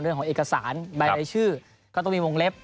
เรื่องของเอกสารใบรายชื่อก็ต้องมีวงเล็บ